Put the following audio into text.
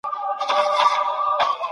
رایه ورکول د هیواد د جوړولو لپاره اړین وو.